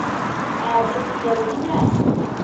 عادت إلى الغناء.